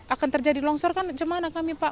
akan terjadi longsor kan gimana kami pak